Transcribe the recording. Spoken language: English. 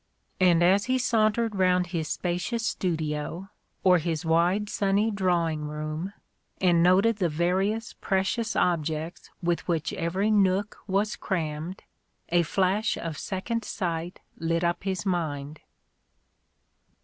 And as he sauntered round his spacious studio, or his wide sunny drawing room, and noted the various precious objects with which every nook was crammed, a flash of second sight lit up his mind.